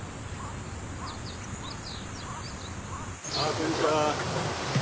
こんにちは。